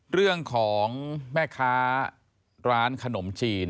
เรื่องของแม่ค้าร้านขนมจีน